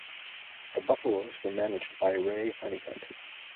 The Buffalos were managed by Ray Honeycutt.